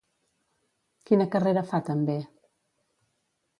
Quina carrera fa també?